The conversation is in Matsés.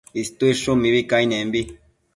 Ushtuidshun mibi cainembi